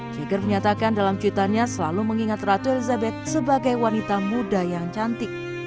jagor menyatakan dalam cuitannya selalu mengingat ratu elizabeth sebagai wanita muda yang cantik